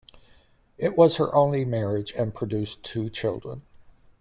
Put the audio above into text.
It was her only marriage, and produced two children.